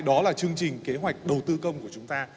đó là chương trình kế hoạch đầu tư công của chúng ta